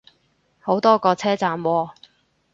好多個車站喎